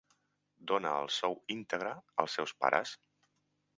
Dona el sou íntegre als seus pares.